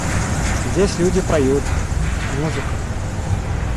– Здесь люди поют… музыка.